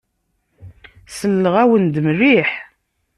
Selleɣ-awen-d mliḥ.